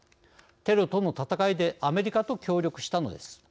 テロとの戦いでアメリカと協力したのです。